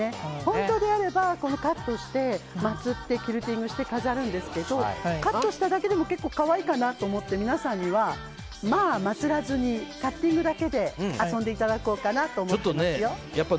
本当であればカットしてまつって、キルティングして飾るんですがカットしただけでも結構、可愛いかなと思って皆さんにはまあ、まつらずにカッティングだけで遊んでいただこうかなと思っています。